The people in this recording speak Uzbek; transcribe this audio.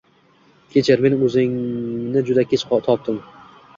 Kechir, men o‘zingni juda kech topdim.